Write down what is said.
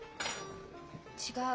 違う。